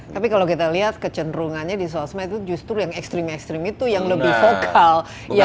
tapi kalau kita lihat kecenderungannya di sosmed itu justru yang ekstrim ekstrim itu yang lebih vokal